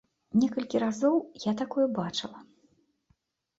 Некалькі разоў я такое бачыла.